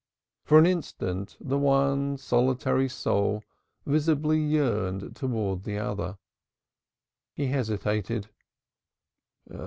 For an instant the one solitary soul visibly yearned towards the other; he hesitated.